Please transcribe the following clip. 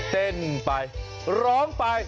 เต้นไปร้องไป